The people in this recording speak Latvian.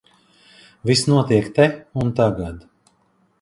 Viss notiek te un tagad.